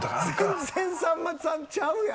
全然さんまさんちゃうやん。